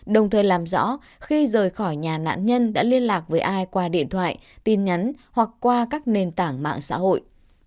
đồng thời làm rõ khi rời khỏi nhà nạn nhân đã liên lạc với ai qua điện thoại tin nhắn hoặc qua các nền tảng mạng xã hội